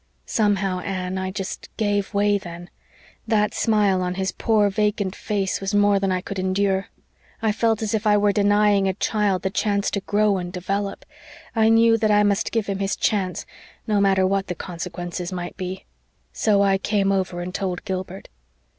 Somehow, Anne, I just gave way then. That smile on his poor vacant face was more than I could endure. I felt as if I were denying a child the chance to grow and develop. I knew that I must give him his chance, no matter what the consequences might be. So I came over and told Gilbert.